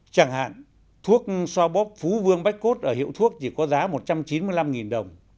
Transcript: chẳng hạn thuốc xoa bóp phú vương bách cốt ở hiệu thuốc chỉ có giá một trăm chín mươi năm đồng